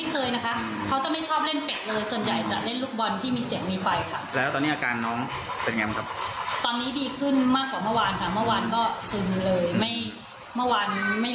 ปกติเขาไม่เคยนะคะเค้าจะไม่ชอบเล่นเป็ดเลยส่วนใหญ่จะเล่นลูกบอลที่มีเสียงมีไฟค่ะ